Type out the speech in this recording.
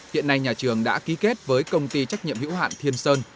hiện nay nhà trường đã ký kết với công ty trách nhiệm hữu hạn thiên sơn